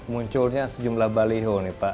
munculnya sejumlah baliho nih pak